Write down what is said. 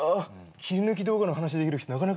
切り抜き動画の話できる人なかなかいなくてね。